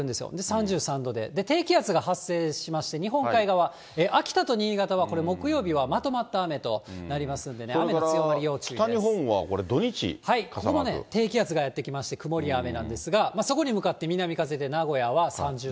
３３度で、低気圧が発生しまして、日本海側、秋田と新潟はこれ、木曜日はまとまった雨となりますんでね、北日本はこれ、土日、傘マーここが低気圧がやって来まして、曇りや雨なんですが、そこに向かって南風で名古屋は３０度。